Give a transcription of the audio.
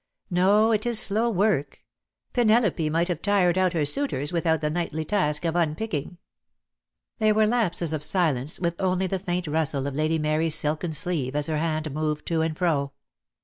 . "No, it is slow work. Penelope might have tired out her suitors without the nightly task of unpick ing." There were lapses of silence, with only the faint rustle of Lady Mary's silken sleeve as her hand moved to and fro.